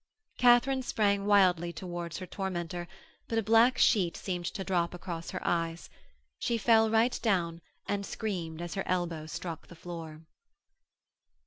Katharine sprang wildly towards her tormentor, but a black sheet seemed to drop across her eyes. She fell right down and screamed as her elbow struck the floor.